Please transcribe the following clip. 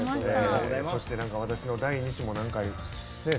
そして何か私の第２子も何かね。